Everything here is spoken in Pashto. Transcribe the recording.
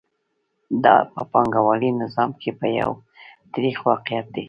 دا په پانګوالي نظام کې یو تریخ واقعیت دی